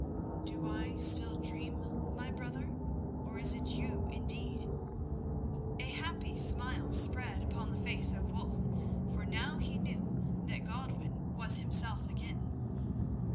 "Do I still dream, my brother, or is it you indeed?" A happy smile spread upon the face of Wulf, for now he knew that Godwin was himself again.